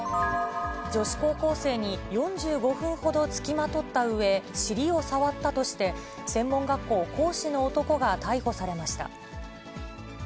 女子高校生に４５分ほど付きまとったうえ、尻を触ったとして、専門学校講師の男が逮捕されました。